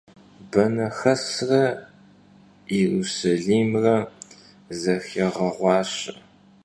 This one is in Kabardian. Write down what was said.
Banexesre Yêrusalimre zexêğeğuaşe.